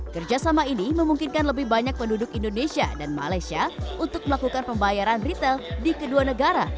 kerjasama ini memungkinkan lebih banyak penduduk indonesia dan malaysia untuk melakukan pembayaran retail di kedua negara